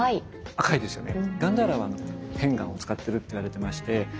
赤いですよね。